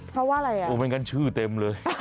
เพราะว่าอะไรอ่ะโอ้ไม่งั้นชื่อเต็มเลย